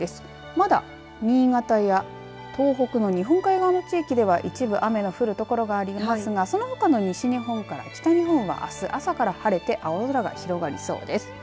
まだ新潟や東北の日本海側の地域では一部雨の降る所がありますがそのほかの西日本から北日本はあす朝から晴れて青空が広がりそうです。